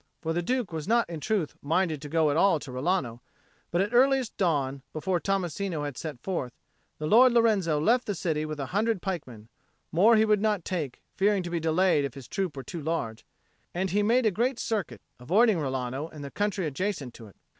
For the Duke was not in truth minded to go at all to Rilano; but at earliest dawn, before Tommasino had set forth, the Lord Lorenzo left the city with a hundred pikemen; more he would not take, fearing to be delayed if his troop were too large; and he made a great circuit, avoiding Rilano and the country adjacent to it.